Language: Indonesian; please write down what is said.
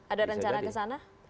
ada rencana ke sana